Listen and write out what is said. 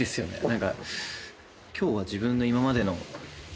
何か今日は自分の今までの。